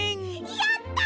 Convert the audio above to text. やった！